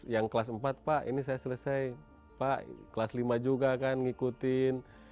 yang kelas empat pak ini saya selesai pak kelas lima juga kan ngikutin